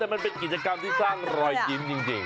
แต่มันเป็นกิจกรรมที่สร้างรอยยิ้มจริง